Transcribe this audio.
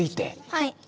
はい。